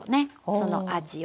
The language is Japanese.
その味を。